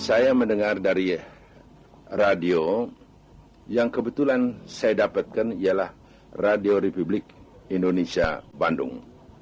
saya mendengar dari radio yang kebetulan saya dapatkan ialah radio republik indonesia bandung